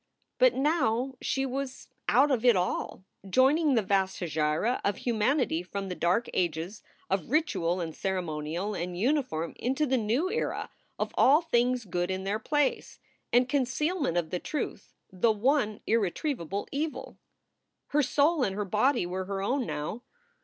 But now she was out of it all, joining the vast hegira of humanity from the dark ages of ritual and ceremonial and uniform into the new era of all things good in their place, and concealment of the truth the one irretrievable evil. Her soul and her body were her own now.